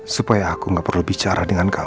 supaya aku gak perlu bicara dengan kamu